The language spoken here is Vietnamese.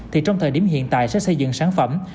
thì trong thời điểm hiện tại sẽ xây dựng sản phẩm